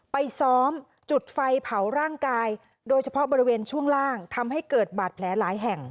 ไปซ้อมจุดไฟเผาร่างกายโดยเฉพาะบริเวณช่วงล่างทำให้เกิดบาดแผลหลายแห่ง